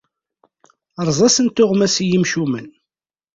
Rreẓ-asen tuɣmas i yimcumen!